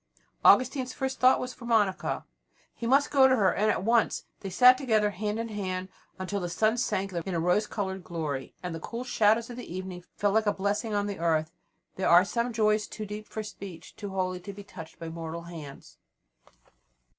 Augustine's first thought was for Monica. He must go to her, and at once. They sat together hand in hand until the sun sank in a rose coloured glory and the cool shadows of the evening fell like a blessing on the earth. There are some joys too deep for speech, too holy to be touched by mortal hands.